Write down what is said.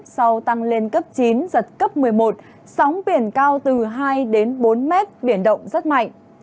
sau tăng lên cấp chín giật cấp một mươi một sóng biển cao từ hai đến bốn mét biển động rất mạnh